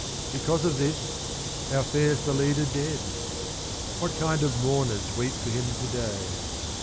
Because of this, how fares the Leader dead? What kind of mourners weep for him to day?